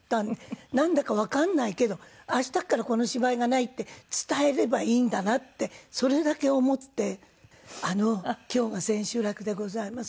なんだかわかんないけど明日からこの芝居がないって伝えればいいんだなってそれだけ思って「あの今日が千秋楽でございます」